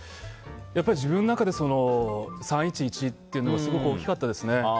やっぱり自分の中で３・１１というのがすごく大きかったですね。